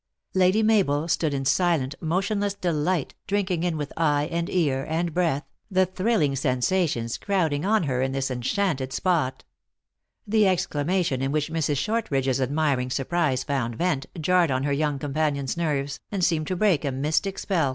Lady Mabel stood in silent, motionless delight, drinking in with eye, and ear, and breath, the thrilling sensations crowding on her in this enchanted spot. The exclamation in which Mrs. Shortridge s admiring surprise found vent, jarred on her young companions nerves, and seemed to break a mystic spell.